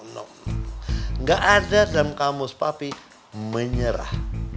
tidak ada dalam kamus papi menyerah